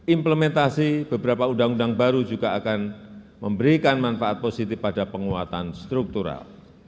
implementasi beberapa undang undang baru juga akan memberikan manfaat positif pada penguatan struktural